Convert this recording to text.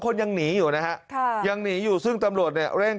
คนยังหนีอยู่นะฮะค่ะยังหนีอยู่ซึ่งตำรวจเนี่ยเร่ง